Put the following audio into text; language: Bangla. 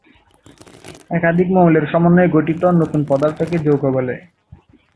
একাধিক মৌলের সমন্বয়ে গঠিত নতুন পদার্থকে যৌগ বলে।